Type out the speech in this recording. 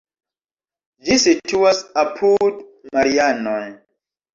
Ĝi situas apud Marianoj.